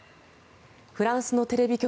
フランスのテレビ局